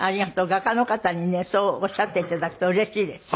画家の方にねそうおっしゃって頂くとうれしいですよ。